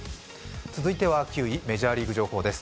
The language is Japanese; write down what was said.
続いては９位、メジャーリーグ情報です。